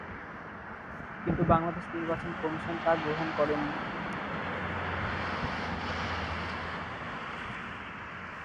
কিন্তু বাংলাদেশ নির্বাচন কমিশন তা গ্রহণ করে নি।